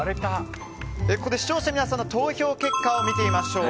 ここで視聴者の皆さんの投票結果を見てみましょう。